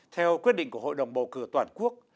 theo quyết định của hội đồng bầu cử toàn quốc